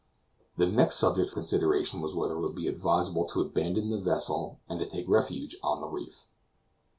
The next subject for consideration was whether it would be advisable to abandon the vessel, and to take refuge on the reef.